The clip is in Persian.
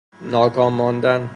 ناکام ماندن